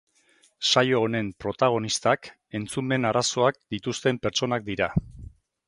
Saio honen protagonistak entzumen arazoak dituzten pertsonak dira.